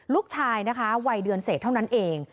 ลูกชายนะคะวัยเดือนเศษเท่านั้นเอง